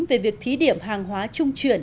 về việc thí điểm hàng hóa trung chuyển